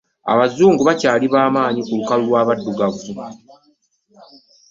Abazungu bakyali baamaanyi ku lukalu lw'omuddugavu.